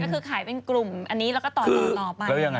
ก็คือขายเป็นกลุ่มอันนี้แล้วก็ต่อไป